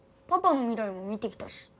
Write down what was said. パパの未来も見てきたし。